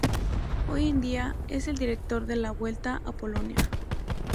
Hoy en día es el director de la Vuelta a Polonia.